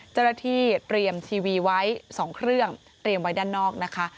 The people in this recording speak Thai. เจ้าหน้าที่เตรียมทีวีไว้๒เครื่องเตรียมไว้ด้านนอกนะคะ